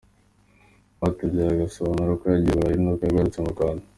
Rwatubyaye asobanura uko yagiye i Burayi n’uko yagarutse mu Rwanda .